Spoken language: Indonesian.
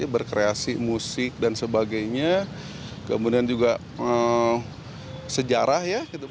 berkreasi musik dan sebagainya kemudian juga sejarah ya